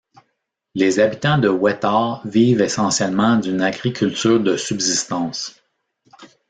Les habitants de Wetar vivent essentiellement d'une agriculture de subsistance.